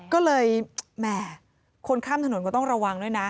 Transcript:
ก็เลยแหมคนข้ามถนนก็ต้องระวังด้วยนะ